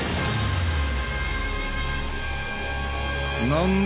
何だ？